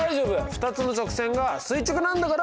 ２つの直線が垂直なんだから。